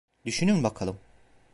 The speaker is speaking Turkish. Düşünün bakalım!